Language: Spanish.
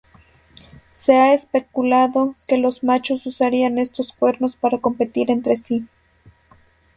Se ha especulado que los machos usarían estos cuernos para competir entre sí.